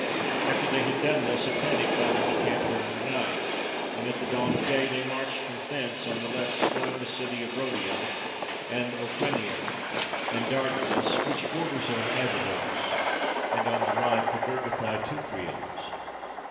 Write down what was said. After they had done this, a panic fell on the camp during the night, and at the dawn of day they marched from thence, on the left skirting the city of Rhoetium, and Ophrynium, and Dardanus, which borders on Abydos, and on the right the Gergitha^ Teucrians.